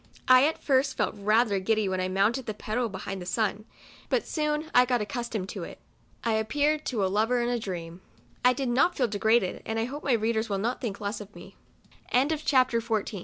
I at first felt rather giddy when I mounted the pedal behind the sun, but I soon got accustomed to it. I appeared to a lover in a dream. I did not feel degraded, and I hope my readers will not t